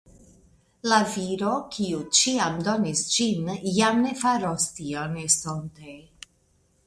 La viro, kiu ĉiam donis ĝin, jam ne faros tion estonte.